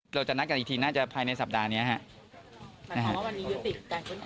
เราจะนัดกันอีกทีน่าจะภายในสัปดาห์นี้ครับ